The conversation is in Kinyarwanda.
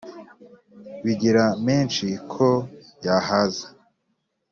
bigiramenshi ko yahaza